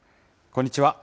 こんにちは。